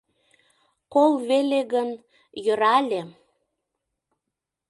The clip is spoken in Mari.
Кол веле гын, йӧра ыле.